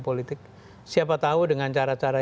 politik siapa tahu dengan cara cara